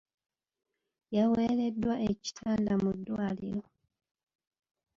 Yaweereddwa ekitanda mu ddwaliro.